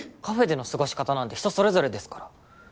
カフェでの過ごし方なんて人それぞれですから。